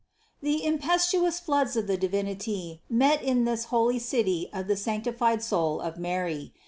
The impetuous floods of the Divinity met in this holy City of the sanctified soul of Mary.